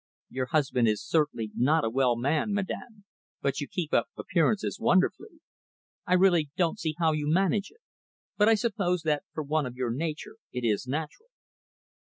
"Your husband is certainly not a well man, madam but you keep up appearances wonderfully. I really don't see how you manage it. But I suppose that for one of your nature it is natural."